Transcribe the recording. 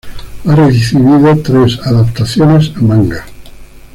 Ha recibido tres adaptaciones a manga.